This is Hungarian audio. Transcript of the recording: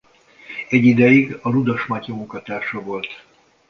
Egy ideig a Ludas Matyi munkatársa volt.